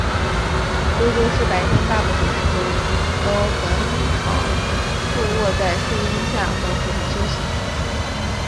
非洲狮白天大部分时间都横躺竖卧在树荫下或树上休息。